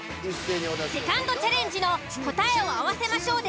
セカンドチャレンジの答えを合わせましょう！